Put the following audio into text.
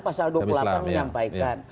pasal dua puluh delapan menyampaikan